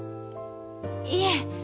いえ